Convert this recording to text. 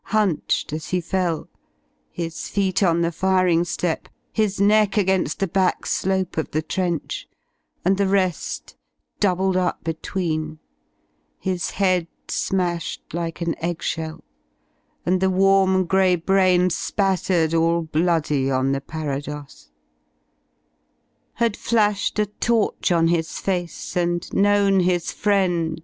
Hunched as he fell, his' feet on the firing Step, His 7ieck againSl the back slope of the trench, And the rell doubled up between, his head Smashed like an egg shell, and the warm grey brain Spattered all bloody on the parados: Had flashed a torch on his face, and known his friend.